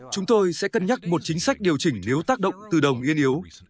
chúng tôi sẽ cân nhắc một chính sách điều chỉnh nếu tác động từ đồng yên yếu